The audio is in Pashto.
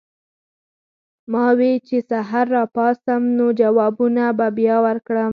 ما وې چې سحر راپاسم نور جوابونه به بیا ورکړم